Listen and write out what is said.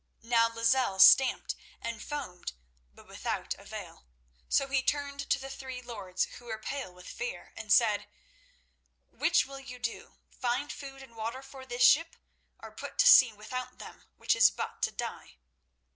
Now Lozelle stamped and foamed, but without avail, so he turned to the three lords, who were pale with fear, and said: "Which will you do: find food and water for this ship, or put to sea without them, which is but to die?"